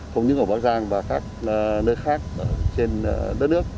không những ở bắc giang và các nơi khác trên đất nước